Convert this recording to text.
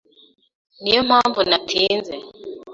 Niyo mpamvu natinze.